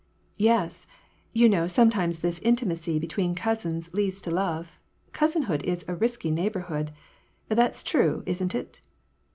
" Yes ! You know sometimes this intimacy between cousins leads to love ; cousin hood is a risky neighborhood ! that's true, isn't it